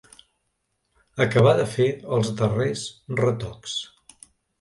Acabar de fer els darrers retocs.